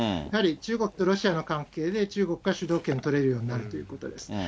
やはり中国とロシアの関係で、中国が主導権を取れるようになるということです。